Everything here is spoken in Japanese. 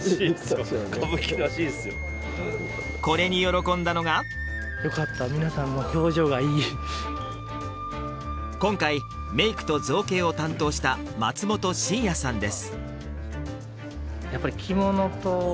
これに喜んだのが今回メイクと造形を担当した松本慎也さんです